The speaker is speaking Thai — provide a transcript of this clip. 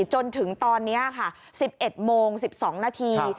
จนถึงตอนนี้ค่ะ๑๑โมง๑๒นาที